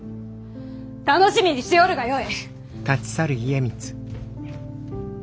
楽しみにしておるがよい！